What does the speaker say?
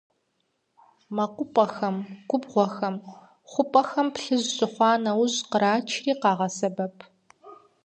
Мэкъупӏэхэм, губгъуэ хъупӏэхэм плъыжь щыхъуа нэужь кърачри къагъэсэбэп.